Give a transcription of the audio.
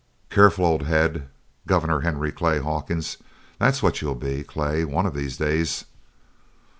"Careful old head! Governor Henry Clay Hawkins! that's what you'll be, Clay, one of these days.